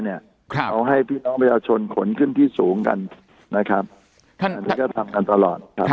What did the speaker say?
เราให้พี่น้องประชาชนขนขึ้นที่สูงกันก็ทำกันตลอด